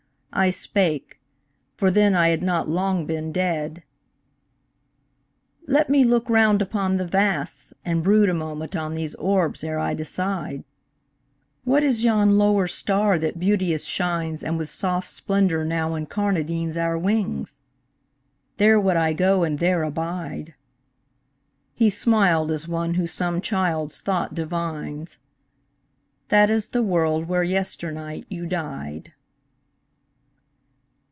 I spake for then I had not long been dead "Let me look round upon the vasts, and brood A moment on these orbs ere I decide ... What is yon lower star that beauteous shines And with soft splendor now incarnadines Our wings? There would I go and there abide." He smiled as one who some child's thought divines: "That is the world where yesternight you died."